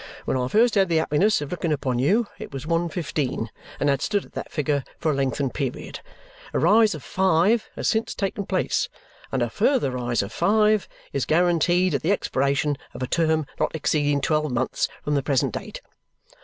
When I first had the happiness of looking upon you, it was one fifteen, and had stood at that figure for a lengthened period. A rise of five has since taken place, and a further rise of five is guaranteed at the expiration of a term not exceeding twelve months from the present date.